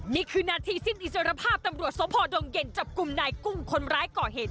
นี่คือนาทีสิ้นอิสรภาพตำรวจสพดงเย็นจับกลุ่มนายกุ้งคนร้ายก่อเหตุ